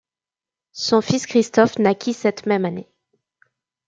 Son fils Christophe naquit cette même année.